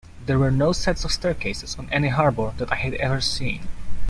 There were no sets of staircases on any harbour that I had ever seen.